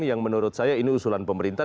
yang menurut saya ini usulan pemerintah